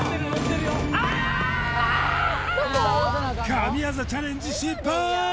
神業チャレンジ失敗！